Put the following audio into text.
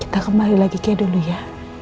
kita kembali lagi ke dulu ya